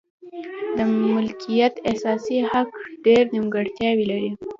د مالکیت اساسي حق ډېرې نیمګړتیاوې لري.